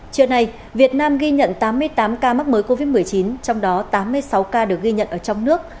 trưa nay việt nam ghi nhận tám mươi tám ca mắc mới covid một mươi chín trong đó tám mươi sáu ca được ghi nhận ở trong nước